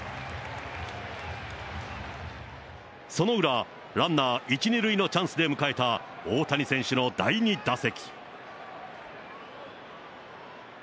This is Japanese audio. その裏、ランナー１、２塁のチャンスで迎えた、大谷選手の第２打席。